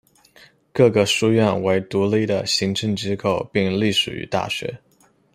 各个书院为独立的行政机构并隶属于大学。